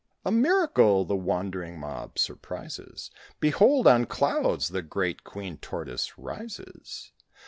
"A miracle!" the wondering mob surprises: "Behold, on clouds the great Queen Tortoise rises!"